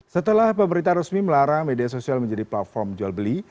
setelah pemerintah resmi melarang media sosial menjadi platform jual beli